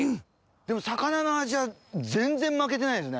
でも魚の味は全然負けてないですね。